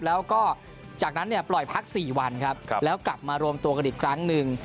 แล้วก็จากนั้นปล่อยพัก๔วันครับแล้วกลับมารวมตัวกันอีกครั้งหนึ่ง